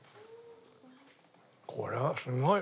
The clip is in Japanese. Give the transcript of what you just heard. これはすごい！